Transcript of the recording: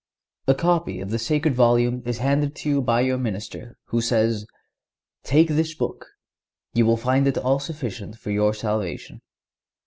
A copy of the sacred volume is handed to you by your minister, who says: "Take this book; you will find it all sufficient for your salvation."